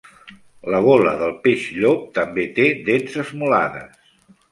La gola del peix llop també té dents esmolades.